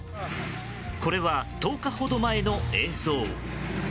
これは１０日ほど前の映像。